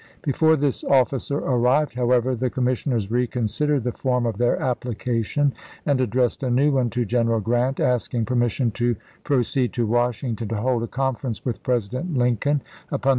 Before this officer arrived, however, the commissioners reconsidered the form of their application and addressed a new one to General Grant, asking permission " to proceed to Washington to hold a conference with President Lincoln upon the sub Vol.